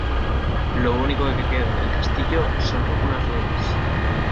Lo único que queda del castillo son algunas ruinas.